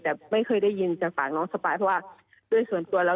แต่ไม่เคยได้ยินจากปากน้องสปายเพราะว่าด้วยส่วนตัวแล้ว